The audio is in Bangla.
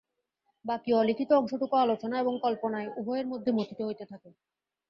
বাকি অলিখিত অংশটুকু আলোচনা এবং কল্পনায় উভয়ের মধ্যে মথিত হইতে থাকে।